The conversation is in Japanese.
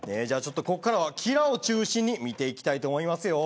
ここからは、キラを中心に見ていきたいと思いますよ。